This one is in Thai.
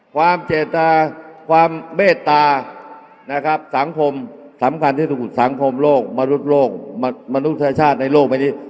ความเจตนาความเมตตานะครับสังคมสำคัญที่สุดสังคมโลกมนุษย์โลกมนุษย์ชาติในโลกวันนี้